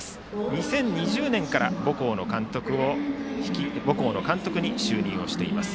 ２０２０年から母校の監督に就任をしています。